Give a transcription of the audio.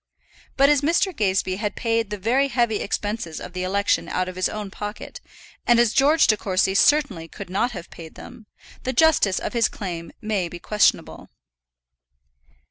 But as Mr. Gazebee had paid the very heavy expenses of the election out of his own pocket, and as George De Courcy certainly could not have paid them, the justice of his claim may be questionable.